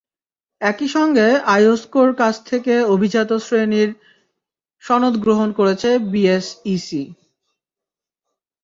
একই সঙ্গে আইওসকোর কাছ থেকে অভিজাত শ্রেণির সনদ গ্রহণ করেছে বিএসইসি।